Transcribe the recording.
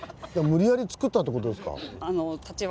「無理やりつくった」って事ですか？